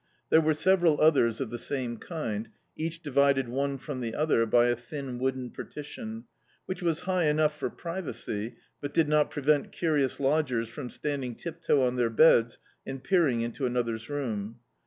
There were several others of the same kind, each divided one ftom the other by a thin wooden partition, which was high enough for privacy, but did not prevent curious lodgers from standing rip toe on their beds, and peering into another's room.